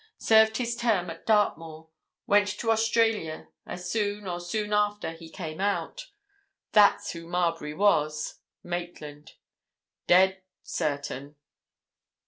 Served his term at Dartmoor. Went to Australia as soon, or soon after, he came out. That's who Marbury was—Maitland. Dead—certain!"